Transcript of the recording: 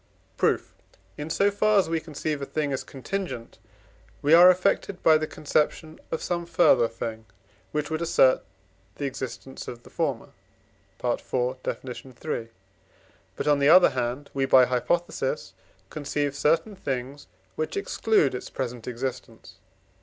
Proof. In so far as we conceive a thing as contingent, we are affected by the conception of some further thing, which would assert the existence of the former (IV. Def. iii.); but, on the other hand, we (by hypothesis) conceive certain things, which exclude its present existence.